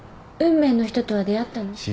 運命の人とは出会ったの？